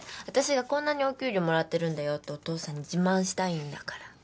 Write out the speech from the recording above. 私がこんなにお給料もらってるんだよってお父さんに自慢したいんだから。